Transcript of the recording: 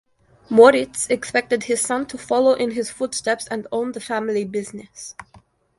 Moritz expected his son to follow in his footsteps and own the family business.